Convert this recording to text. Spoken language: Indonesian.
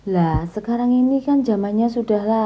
lah sekarang ini kan jamannya sudah lah